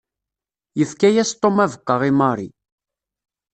Yefka-yas Tom abeqqa i Mary.